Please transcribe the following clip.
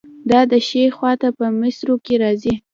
دا د ښي خوا په مصرو کې راځي.